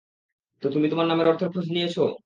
তো তুমি তোমার নামের অর্থের খোঁজ নিয়েছ?